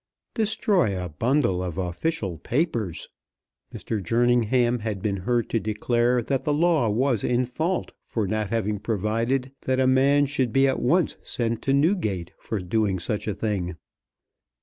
Destroy a bundle of official papers! Mr. Jerningham had been heard to declare that the law was in fault in not having provided that a man should be at once sent to Newgate for doing such a thing.